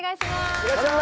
いらっしゃい。